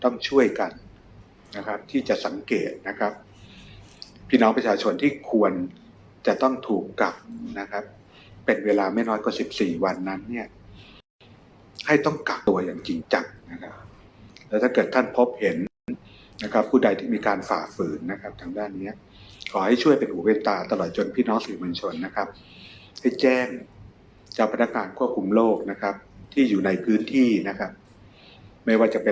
นะครับที่จะสังเกตนะครับพี่น้องประชาชนที่ควรจะต้องถูกกลับนะครับเป็นเวลาไม่น้อยกว่าสิบสี่วันนั้นเนี้ยให้ต้องกลับตัวอย่างจริงจักรนะครับแล้วถ้าเกิดท่านพบเห็นนะครับผู้ใดที่มีการฝ่าฝืนนะครับทางด้านเนี้ยขอให้ช่วยเป็นหัวเป็นตาตลอดจนพี่น้องสีมัญชนนะครับให้แจ้งเจ้าพนักการควบคุมโ